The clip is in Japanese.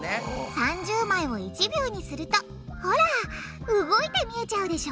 ３０枚を１秒にするとほら動いて見えちゃうでしょ！